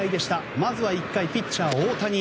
まずは１回、ピッチャー大谷。